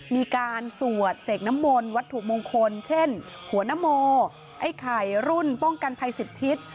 มีการสวดเสกน้ำมนต์วัตถุมงคลเช่นหัวนโมไอ้ไข่รุ่นป้องกันภัย๑๐ทิศ